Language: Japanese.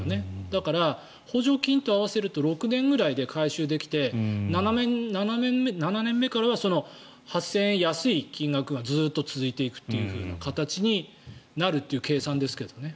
だから、補助金と合わせると６年ぐらいで回収できて７年目からは８０００円安い金額がずっと続いていくという形になるという計算ですけどね。